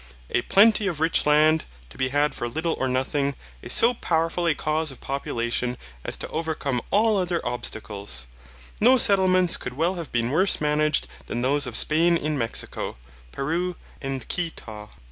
A plenty of rich land, to be had for little or nothing, is so powerful a cause of population as to overcome all other obstacles. No settlements could well have been worse managed than those of Spain in Mexico, Peru, and Quito.